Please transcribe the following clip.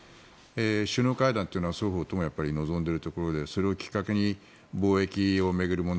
首脳会談というのは双方とも望んでいるということでそれをきっかけに貿易を巡る問題